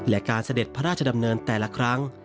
และการเสด็จพระราชดำเนินแต่ละครั้ง